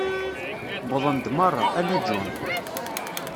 Wwḍen-d merra, ala John.